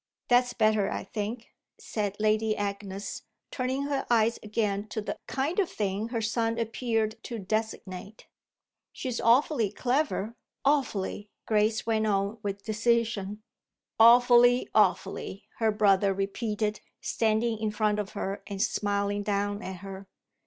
"That's better, I think," said Lady Agnes, turning her eyes again to the "kind of thing" her son appeared to designate. "She's awfully clever awfully!" Grace went on with decision. "Awfully, awfully!" her brother repeated, standing in front of her and smiling down at her.